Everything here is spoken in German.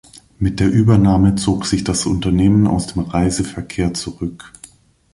Mit der Übernahme zog sich das Unternehmen aus dem Reiseverkehr zurück.